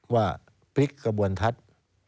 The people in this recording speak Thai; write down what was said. ว่าพลิกกระบวนทัศน์